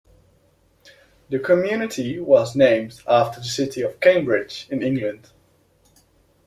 The community was named after the city of Cambridge, in England.